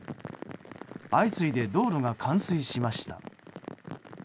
相次いで道路が冠水しました。